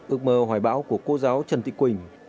ước mơ hoài bão của cô giáo trần thị quỳnh